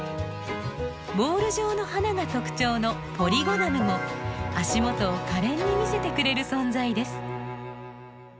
ボール状の花が特徴のポリゴナムも足元をかれんに見せてくれる存在です。